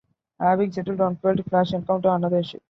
Having settled on felt, Flash encountered another issue.